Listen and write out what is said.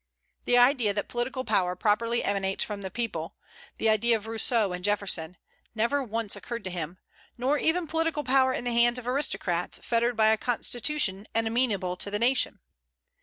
The idea that political power properly emanates from the people, the idea of Rousseau and Jefferson, never once occurred to him; nor even political power in the hands of aristocrats, fettered by a constitution and amenable to the nation.